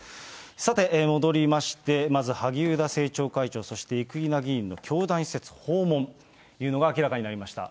さて、戻りまして、まず萩生田政調会長、そして生稲議員の教団施設訪問というのが明らかになりました。